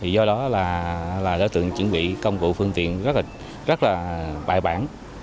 do đó là đối tượng chuẩn bị công cụ phương tiện rất là bài bản